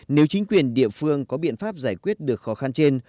nếu chính quyền địa phương có biện pháp giải quyết được khó khăn trên